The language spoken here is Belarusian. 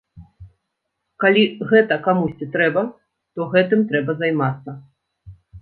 Калі гэта камусьці трэба, то гэтым трэба займацца.